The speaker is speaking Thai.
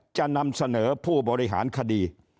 จะนำเสนอผู้บริหารคดี